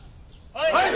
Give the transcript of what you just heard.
はい！